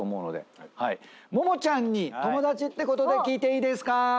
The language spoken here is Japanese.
ももちゃんに友達ってことで聞いていいですか？